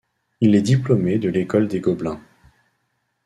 Il est diplômé de l'école des Gobelins.